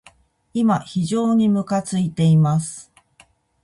今、非常にむかついています。